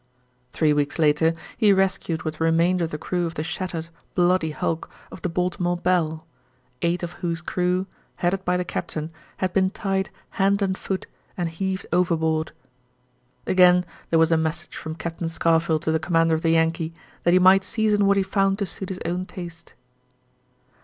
Three weeks later he rescued what remained of the crew of the shattered, bloody hulk of the Baltimore Belle, eight of whose crew, headed by the captain, had been tied hand and foot and heaved overboard. Again, there was a message from Captain Scarfield to the commander of the Yankee that he might season what he found to suit his own taste.